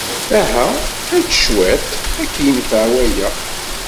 Aha, ečč cwiṭ. Ad k-yenfeɛ waya.